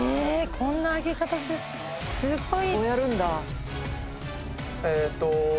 こんな開け方するすごい。